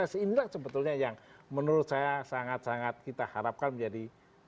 inilah sebetulnya yang menurut saya sangat sangat kita harapkan menjadi